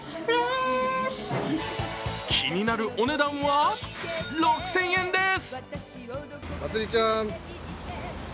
気になるお値段は６０００円です。